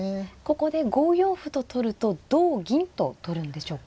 ここで５四歩と取ると同銀と取るんでしょうか。